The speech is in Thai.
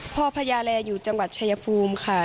พญาแรอยู่จังหวัดชายภูมิค่ะ